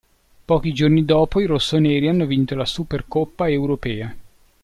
Pochi giorni dopo i rossoneri hanno vinto la Supercoppa europea.